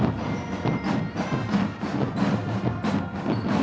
dan kemudian dengan penyelidikan tni dan pengundang tni